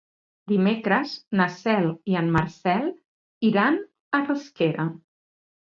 Dimecres na Cel i en Marcel iran a Rasquera.